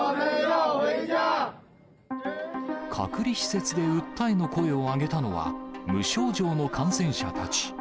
隔離施設で訴えの声を上げたのは、無症状の感染者たち。